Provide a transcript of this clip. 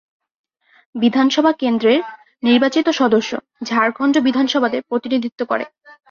বিধানসভা কেন্দ্রের নির্বাচিত সদস্য ঝাড়খণ্ড বিধানসভাতে প্রতিনিধিত্ব করে।